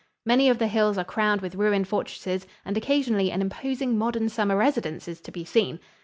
Many of the hills are crowned with ruined fortresses and occasionally an imposing modern summer residence is to be seen.